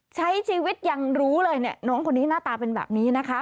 ใช้ชีวิตยังรู้เลยเนี่ยน้องคนนี้หน้าตาเป็นแบบนี้นะคะ